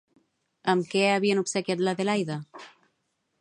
Amb què havien obsequiat l'Adelaida?